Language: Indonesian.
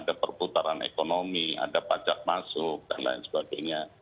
ada perputaran ekonomi ada pajak masuk dan lain sebagainya